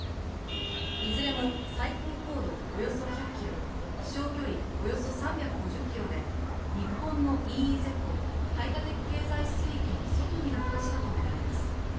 いずれも最高高度およそ１００ｋｍ飛翔距離およそ３５０ｋｍで日本のＥＥＺ・排他的経済水域の外に落下したとみられます。